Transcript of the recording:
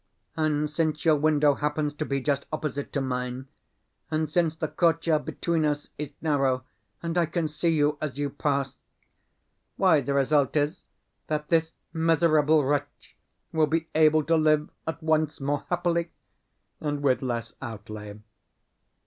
And since your window happens to be just opposite to mine, and since the courtyard between us is narrow and I can see you as you pass, why, the result is that this miserable wretch will be able to live at once more happily and with less outlay.